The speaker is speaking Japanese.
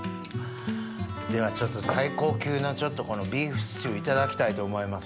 ではちょっと最高級のこのビーフシチューいただきたいと思います。